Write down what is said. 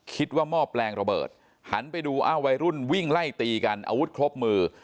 หม้อแปลงระเบิดหันไปดูอ้าววัยรุ่นวิ่งไล่ตีกันอาวุธครบมือ